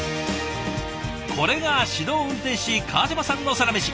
これが指導運転士川島さんのサラメシ。